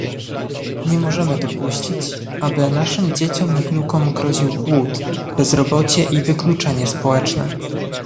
Nie możemy dopuścić, aby naszym dzieciom i wnukom groził głód, bezrobocie i wykluczenie społeczne